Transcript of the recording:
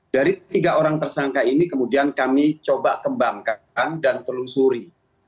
dari tiga orang tersangka ini kemudian kami coba kembangkan dan telusuri